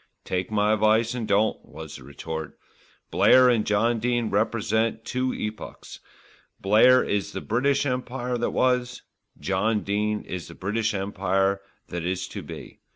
"Take my advice and don't," was the retort. "Blair and John Dene represent two epochs: Blair is the British Empire that was, John Dene is the British Empire that is to be.